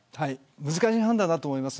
難しい判断だと思います。